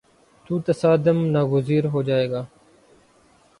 تو تصادم ناگزیر ہو جائے گا۔